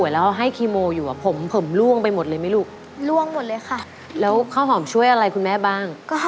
แล้วข้าวหอมช่วยอะไรคุณแม่บ้าง